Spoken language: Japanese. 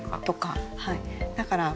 はい。